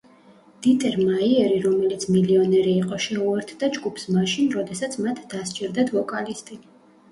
დიტერ მაიერი, რომელიც მილიონერი იყო, შეუერთდა ჯგუფს მაშინ, როდესაც მათ დასჭირდათ ვოკალისტი.